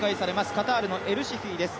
カタールのエルシフィです。